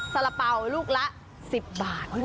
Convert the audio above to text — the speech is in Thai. สาระเป๋าลูกละ๑๐บาท